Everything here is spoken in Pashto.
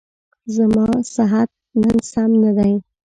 زما صحت نن سم نه دی.